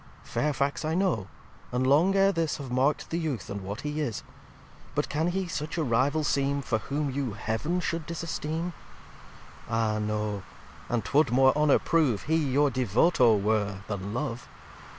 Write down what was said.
Fairfax I know; and long ere this Have mark'd the Youth, and what he is. But can he such a Rival seem For whom you Heav'n should disesteem? Ah, no! and 'twould more Honour prove He your Devoto were, than Love.